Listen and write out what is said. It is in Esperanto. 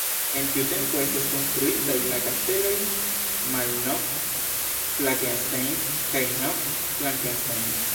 En tiu tempo estis konstruitaj la kasteloj Malnov-Flakenstein kaj Nov-Falkenstein.